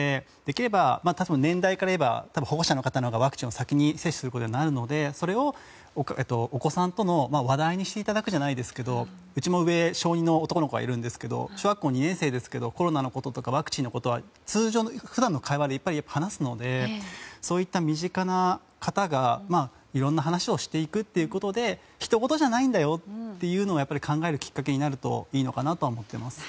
年代からいえば保護者の方のほうがワクチンを先に接種することになるので、それをお子さんとの話題にしていただくじゃないですけどうちも上、小２の男の子がいるんですけど小学校２年生ですけどコロナやワクチンのことは普段の会話でいっぱい話すのでそういった身近な方がいろいろな話をしていくということでひとごとじゃないんだよということを考えるきっかけになるのがいいのかなとは思ってます。